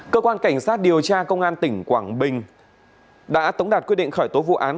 cơ quan cảnh sát điều tra công an tỉnh quảng bình đã tống đạt quyết định khởi tố vụ án